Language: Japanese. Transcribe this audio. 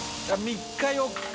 ３日４日。